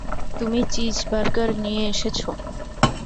তুমি চিজবার্গার নিয়ে এসেছো।